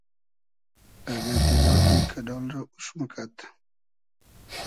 اگۂ دیگا ای کئۮال رۂ اوش موکئد